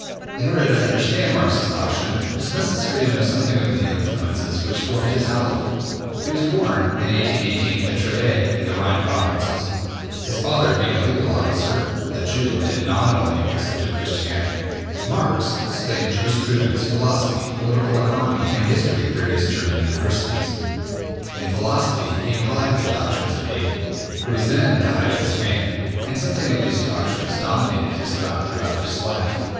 In order to understand Marx's doctrine, it is necessary to know something of the influences which formed his outlook. He was born in 1818 at Treves in the Rhine Provinces, his father being a legal official, a Jew who had nominally accepted Christianity. Marx studied jurisprudence, philosophy, political economy and history at various German universities. In philosophy he imbibed the doctrines of Hegel, who was then at the height of his fame, and something of these doctrines dominated his thought throughout his life.